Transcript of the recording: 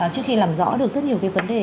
trước khi làm rõ được rất nhiều cái vấn đề